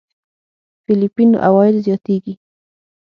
فېليپين عوايد زياتېږي.